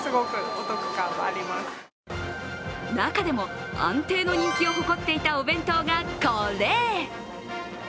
中でも安定の人気を誇っていたお弁当がこれ。